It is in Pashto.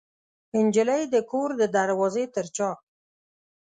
نجلۍ د کور د دروازې تر چاک